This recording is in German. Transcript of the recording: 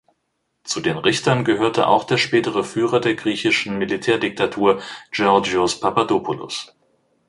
Zu den Richtern gehörte auch der spätere Führer der griechischen Militärdiktatur Georgios Papadopoulos.